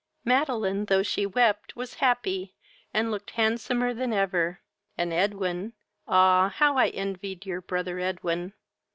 Madeline, though she wept, was happy, and looked handsomer than ever; and Edwin, ah! how I envied your brother Edwin!